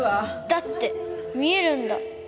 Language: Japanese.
だって見えるんだ